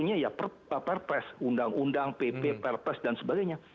peraturan perundangan kan salah satunya ya perpres undang undang pp perpres dan sebagainya